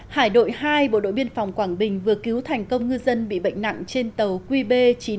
hải đội hai bộ đội biên phòng quảng bình vừa cứu thành công ngư dân bị bệnh nặng trên tàu qb chín trăm ba mươi một ba mươi sáu